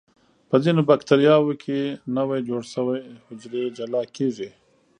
په ځینو بکټریاوو کې نوي جوړ شوي حجرې جلا کیږي.